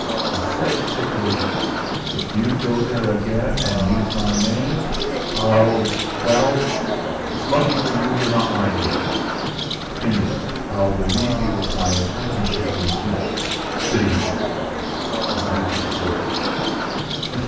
He said thickly: "If you go there again and use my name, I'll Well, it's lucky for you you're not my age. Anyway I'll relieve you of my acquaintanceship in future. Good evening!" and he went to the door. Mr.